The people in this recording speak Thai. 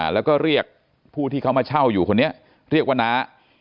แล้วก็เรียกผู้ที่เขามาเช่าอยู่คนนี้เรียกว่าน้า